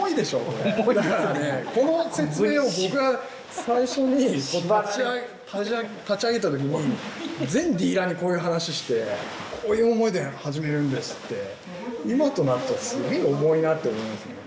これだからねこの説明を僕が最初に立ち上げた時に全ディーラーにこういう話して「こういう思いで始めるんです」って今となってはすげぇ重いなと思うんですよね